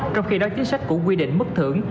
trong khi đó chính sách cũng quy định mức thưởng